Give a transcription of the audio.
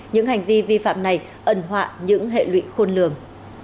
những hành vi vi phạm này ẩn họa những hệ lụy khôn lường